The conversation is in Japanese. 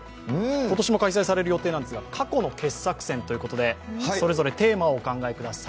今年も開催される予定なんですが、過去の傑作選ということでそれぞれテーマをお考えください。